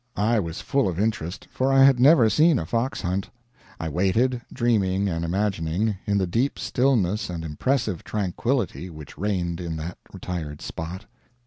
I was full of interest, for I had never seen a fox hunt. I waited, dreaming and imagining, in the deep stillness and impressive tranquility which reigned in that retired spot.